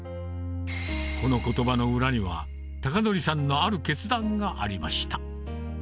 この言葉の裏には孝法さんのある決断がありました